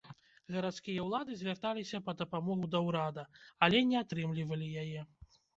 Гарадскія ўлады звярталіся па дапамогу да ўрада, але не атрымлівалі яе.